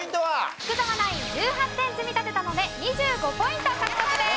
福澤ナイン１８点積み立てたので２５ポイント獲得です。